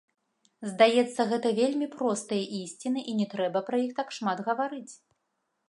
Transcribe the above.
Здаецца, гэта вельмі простыя ісціны і не трэба пра іх так шмат гаварыць.